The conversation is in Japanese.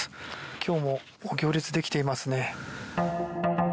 今日も行列ができていますね。